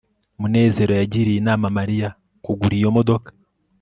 munezero yagiriye inama mariya kugura iyo modoka